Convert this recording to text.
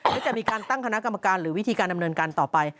และจะมีการตั้งคณะกรรมการหรือวิธีการดำเนินการต่อไป